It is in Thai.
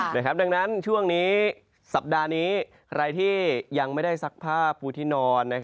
ดังนั้นช่วงนี้สัปดาห์นี้ใครที่ยังไม่ได้ซักผ้าปูที่นอน